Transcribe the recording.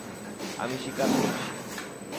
আমি স্বীকার করছি!